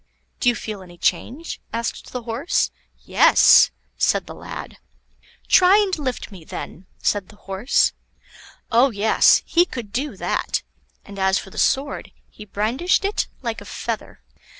"Do you feel any change?" asked the Horse. "Yes," said the lad. "Try and lift me, then," said the Horse. Oh yes! he could do that, and as for the sword, he brandished it like a feather.